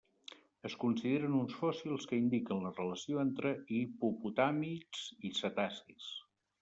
Es consideren uns fòssils que indiquen la relació entre hipopotàmids i cetacis.